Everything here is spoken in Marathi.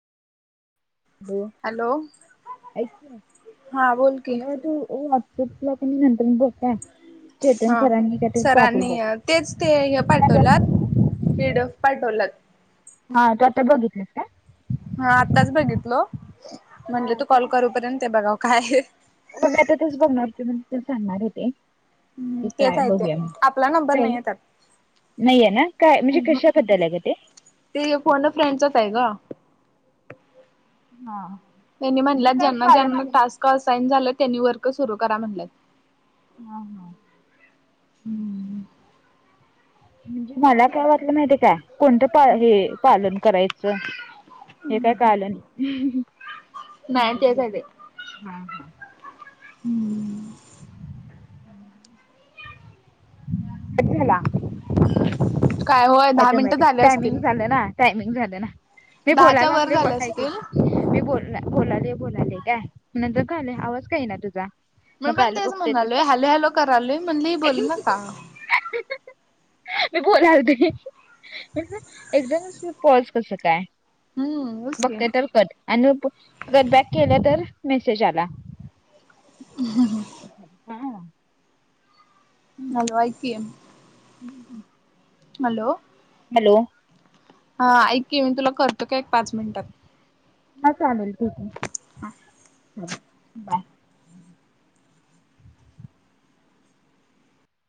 हॅलो. ऐक न. हा बोल की तूला जो [unintelligible] चिपला तुम्ही नंतर बोलताय. चेतन हा सरांनी, काय तरी पाठवल्यात. सरांनी तेच ते हे पाठवलात हॅलो. पीडफ पाठवलात हा. तू आता, बघितलंस काय? हा, आत्ताच बघितलो. म्हनल, तू कॉल करूपर्यंत ते बघाव काय. मग आता तेच बघणार होते. नंतर सांगणार होते. तेच ठीकाय. आहे ते बघूया, मग. आपला नंबर नाही काय? येतात नाहीये ना? काय, म्हणजे कशाबद्दलय गं ते? ते फोन अ फ्रेंडचचय गं. हा. त्यांनी म्हणजे म्हणल्यात. काय ज्यांना- पालन ज्यांना कर टास्क असाईन झालेत. त्यांनी वर्क सुरू करा म्हणल्यात. हा, हा. अच्छा. म्हणजे मला काय वाटलं माहितीय काय? कोणतं पा हे, पालन करायचं? हे काय कळालं न. नाही, तेचय ते. हा, हा. हम. कशाला? काय होय दहा मिनिटं ॲटोमॅटिक, झाले टायमिंग असतील झालं ना. टायमिंग झालं ना. मी बोलायला दहाच्या वर लागलोय. बर झाले हाय की. असतील मी बोल बोलाले - बोलाले. काय? नंतर कळाले, आवाज का येईना तुझा? मी मग पण आलं तेच बघतोय म्हणालोय. हॅलो- हॅलो, करालोय. म्हणल ही, बोल ना का? मी, बोलालते. एकदमच मी, पॉज कसं काय? हम्म बस की बघते तर कट. आणि प कट बॅक केलं तर, मेसेज आला. [unintelligible] Hello [unintelligible] [unintelligible] hello. हॅलो. हा, ऐक की. मी तुला करतो काय, एक पाच मिनटात. हा, चालेल. ठीकय. हं. बाय.